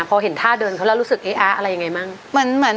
พอเห็นท่าเดินเขาแล้วรู้สึกเอ๊ะอะไรยังไงบ้าง